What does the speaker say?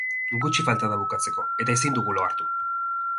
Gutxi falta da bukatzeko eta ezin dugu lo hartu.